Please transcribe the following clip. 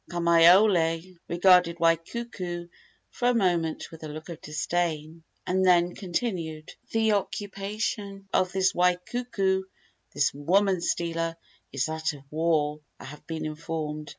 Kamaiole regarded Waikuku for a moment with a look of disdain, and then continued: "The occupation of this Waikuku this woman stealer is that of war, I have been informed.